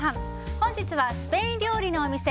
本日はスペイン料理のお店